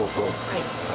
はい。